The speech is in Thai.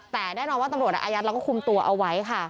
แต่แน่นอนว่าตำรวจอายัดแล้วก็คุมตัวเอาไว้ค่ะ